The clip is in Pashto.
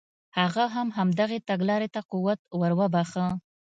هغه هم همدغې تګلارې ته قوت ور وبخښه.